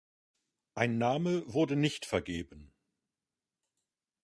Ein Name wurde nicht vergeben.